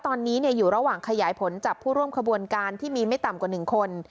ตอนนี้อยู่ระหว่างขยายผลจับผู้ร่วมขบวนการที่มีไม่ต่ำกว่า๑คน